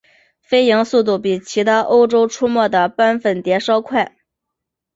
飞行速度比其他澳洲出没的斑粉蝶稍快。